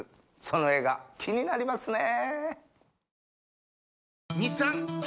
その映画気になりますね。